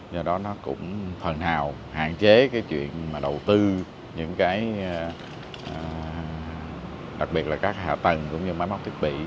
do đó nó cũng phần nào hạn chế cái chuyện mà đầu tư những cái đặc biệt là các hạ tầng cũng như máy móc thiết bị